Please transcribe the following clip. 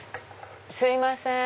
すいません！